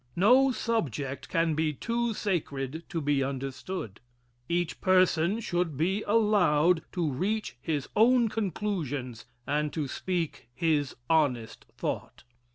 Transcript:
No subject can be too sacred to be understood. Each person should be allowed to reach his own conclusions and to speak his honest thought.